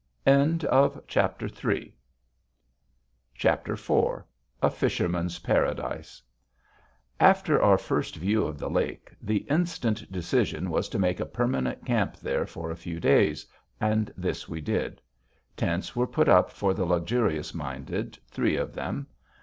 IV A FISHERMAN'S PARADISE After our first view of the lake, the instant decision was to make a permanent camp there for a few days. And this we did. Tents were put up for the luxurious minded, three of them.